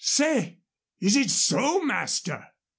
Say, is it so, master?"